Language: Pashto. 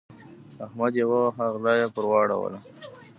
احمد يې وواهه؛ غلا يې پر واړوله.